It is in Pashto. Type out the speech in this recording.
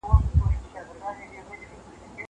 زه له سهاره سبزېجات وچوم.